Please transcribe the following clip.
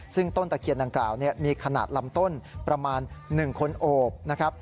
ซึ่งต้นตะเคียนดังกล่าวมีขนาดลำต้นประมาณ๑คนโอบนะครับ